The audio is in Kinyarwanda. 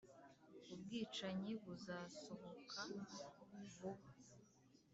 ubwicanyi buzasohoka vuba